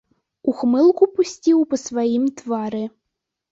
Ухмылку пусціў па сваім твары.